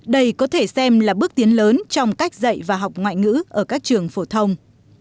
đây có thể xem là bước tiến lớn trong cách dạy và học ngoại ngữ ở các trường phổ thông